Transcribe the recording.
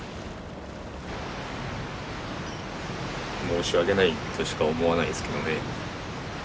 申し訳ないとしか思わないですけどね。